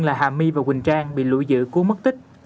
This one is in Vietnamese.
là hà my và quỳnh trang bị lũ dữ cuốn mất tích